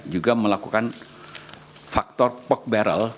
juga melakukan faktor pock barrel